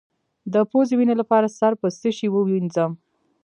د پوزې وینې لپاره سر په څه شي ووینځم؟